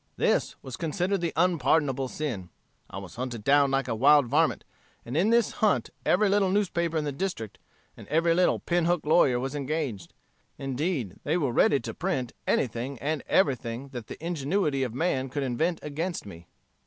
This was considered the unpardonable sin. I was hunted down like a wild varment, and in this hunt every little newspaper in the district, and every little pinhook lawyer was engaged. Indeed, they were ready to print anything and everything that the ingenuity of man could invent against me."